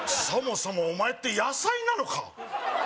そもそもお前って野菜なのか？